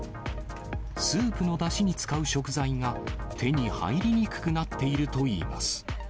スープのだしに使う食材が手に入りにくくなっているといいます。